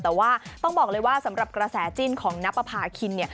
แต่ว่าต้องบอกเลยว่าสำหรับกระแสจิ้นของนับประพาคินเนี่ย